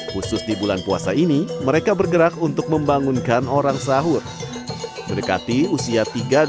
khusus di bulan puasa ini mereka bergerak untuk membangunkan orang sahur dan membangun kota kota yang berbeda dengan mereka